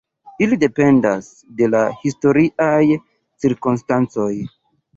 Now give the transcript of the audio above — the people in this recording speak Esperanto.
Ili dependas de la historiaj cirkonstancoj.